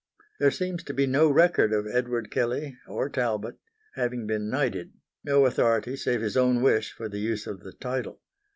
There seems to be no record of Edward Kelley or Talbot having been knighted, no authority save his own wish for the use of the title.